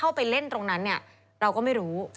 ไปเล่นตรงนั้นเนี่ยเราก็ไม่รู้